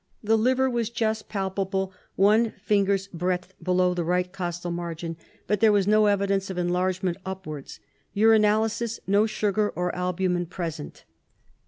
The liver was just palpable, one finger's breadth below the right costal margin, but there was no evidence of enlargement upwards. Urinalysis: no sugar or albumen present.